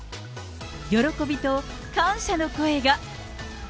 喜びと感謝の声が。